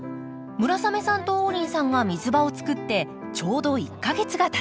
村雨さんと王林さんが水場を作ってちょうど１か月がたちました。